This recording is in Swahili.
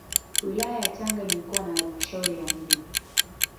Wilaya ya Tanga imekuwa na Halmashauri ya Mji